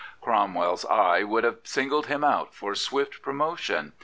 Cromweirs eye would have singled him out for swift promotion.